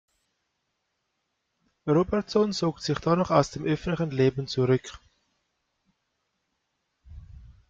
Robertson zog sich danach aus dem öffentlichen Leben zurück.